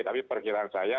tapi perkiraan saya